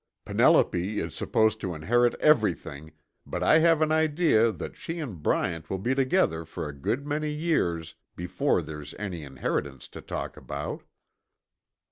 Penelope is supposed to inherit everything, but I have an idea that she and Bryant will be together for a good many years before there's any inheritance to talk about."